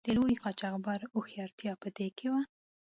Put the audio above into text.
د لوی قاچاقبر هوښیارتیا په دې کې وه.